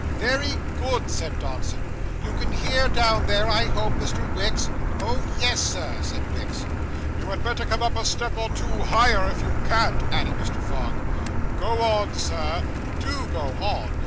'Very good,' said Dodson. 'You can hear down there, I hope, Mr. Wicks?' 'Oh, yes, Sir,' said Wicks. 'You had better come up a step or two higher, if you can't,' added Mr. Fogg. 'Go on, Sir; do go on.